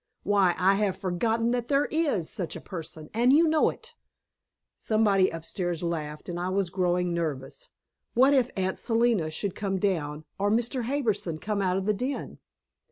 Why, I have forgotten that there IS such a person, and you know it." Somebody upstairs laughed, and I was growing nervous. What if Aunt Selina should come down, or Mr. Harbison come out of the den?